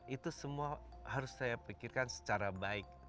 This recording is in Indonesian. itu semua harus saya pikirkan secara baik